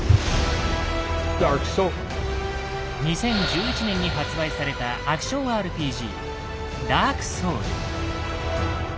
２０１１年に発売されたアクションＲＰＧ「ＤＡＲＫＳＯＵＬＳ」。